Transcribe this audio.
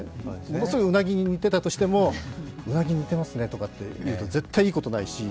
ものすごくうなぎに似ていたとしても、うなぎに似てますねって言うと絶対いいことないし。